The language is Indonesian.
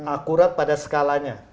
akurat pada skalanya